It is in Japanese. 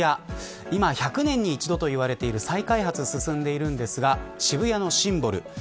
今、１００年に一度といわれている再開発が進んでいるんですが渋谷のシンボル。